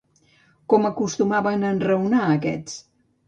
Com acostumen a enraonar aquests?